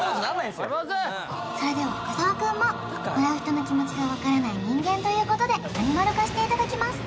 それでは深澤くんももらう人の気持ちがわからない人間ということでアニマル化していただきます